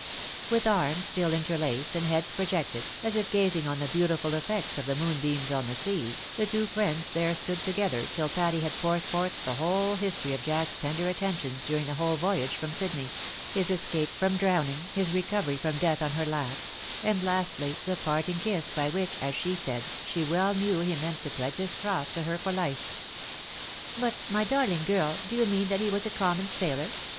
With arms still interlaced, and heads projected, as if gazing on the beautiful effects of the moonbeams on the sea, the two friends there stood together tiU Patty had poured forth the whole history of Jack's tender attentions during the whole voyage from Sydney ; his escape from drowning — his recovery from death on her lap ; and lastly, the parting kiss, by which, as she said, she well knew he meant to pledge his troth to her for life. " But my darling girl, do you mean that he was a common EaUor